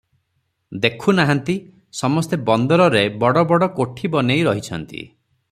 ଦେଖୁ ନାହାନ୍ତି, ସମସ୍ତେ ବନ୍ଦରରେ ବଡ଼ ବଡ଼ କୋଠି ବନେଇ ରହିଛନ୍ତି ।